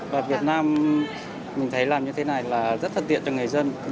và việt nam mình thấy làm như thế này là rất thuận tiện cho người dân